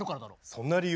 そんな理由？